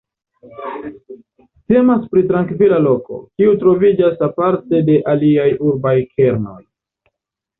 Temas pri trankvila loko, kiu troviĝas aparte de aliaj urbaj kernoj.